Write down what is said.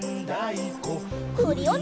クリオネ！